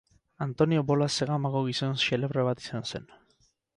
Antonio Bolas Zegamako gizon xelebre bat izan zen.